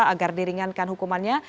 agar diringankan hukumannya